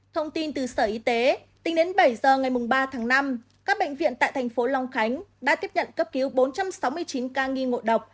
thông tin từ sở y tế tính đến bảy giờ ngày ba tháng năm các bệnh viện tại thành phố long khánh đã tiếp nhận cấp cứu bốn trăm sáu mươi chín ca nghi ngộ độc